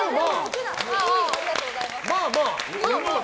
ありがとうございます。